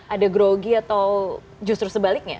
ada grogi atau justru sebaliknya